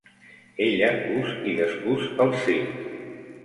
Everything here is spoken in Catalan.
Ella cus i descús els fils.